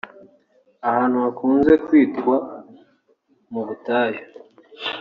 ahantu hakunze kwitwa mu butayu